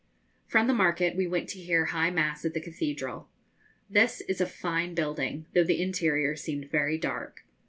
From the market we went to hear high mass at the cathedral. This is a fine building, though the interior seemed very dark.